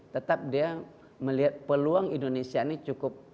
tetap dia melihat peluang indonesia ini cukup